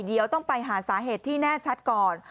เดี๋ยวต้องไปหาสาเหตุที่แน่ชัดก่อน